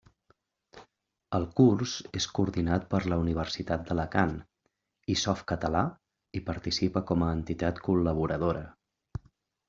El curs és coordinat per la Universitat d'Alacant, i Softcatalà hi participa com a entitat col·laboradora.